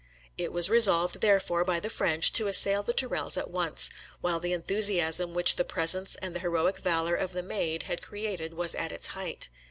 It was resolved, therefore, by the French, to assail the Tourelles at once, while the enthusiasm which the presence and the heroic valour of the Maid had created was at its height.